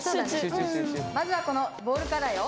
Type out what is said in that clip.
まずはこのボールからよ。